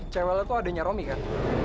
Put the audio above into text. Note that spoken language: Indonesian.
cewek lo tuh adeknya romi kan